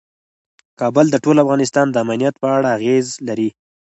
کابل د ټول افغانستان د امنیت په اړه اغېز لري.